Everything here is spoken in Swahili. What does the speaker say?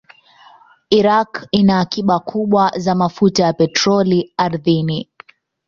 Iraq ina akiba kubwa za mafuta ya petroli ardhini.